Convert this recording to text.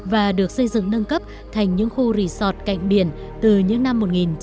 và được xây dựng nâng cấp thành những khu resort cạnh biển từ những năm một nghìn chín trăm bảy mươi